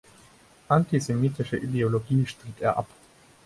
Antisemitische Ideologie stritt er ab.